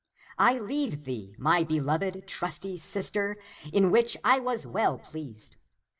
I leave thee, my beloved, trusty sister, in which I was well pleased.